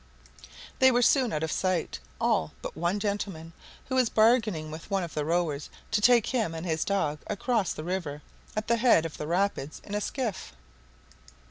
They were soon out of sight, all but one gentleman, who was bargaining with one of the rowers to take him and his dog across the river at the head of the rapids in a skiff.